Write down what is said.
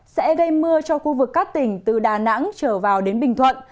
sẽ gây mưa cho khu vực các tỉnh từ đà nẵng trở vào đến bình thuận